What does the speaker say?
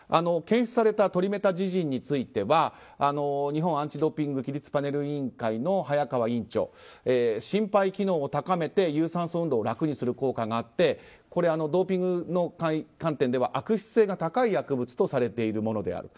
検出されたトリメタジジンについては日本アンチ・ドーピング規律パネル委員会の早川委員長心肺機能を高めて、有酸素運動を楽にする効果があってドーピングの観点では悪質性が高い薬物とされているもの。